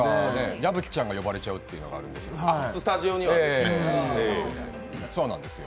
矢吹ちゃんが呼ばれちゃうっていうのがあるんで、そうなんですよ。